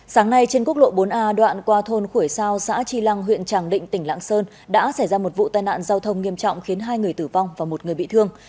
sáng nay trên quốc lộ bốn a đoạn qua thôn khủy sao xã tri lăng huyện tràng định tỉnh lạng sơn đã xảy ra một vụ tai nạn giao thông nghiêm trọng khiến hai người tử vong và một người bị thương